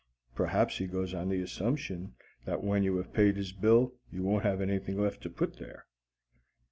(Perhaps he goes on the assumption that when you have paid his bill you won't have anything left to put there.)